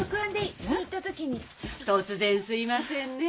突然すみませんね。